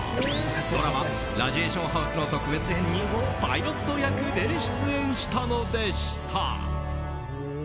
ドラマ「ラジエーションハウス」の特別編にパイロット役で出演したのでした。